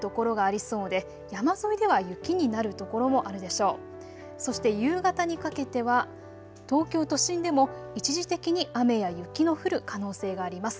そして夕方にかけては東京都心でも一時的に雨や雪の降る可能性があります。